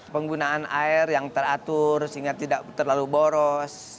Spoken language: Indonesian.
penggunaan air yang teratur sehingga tidak terlalu boros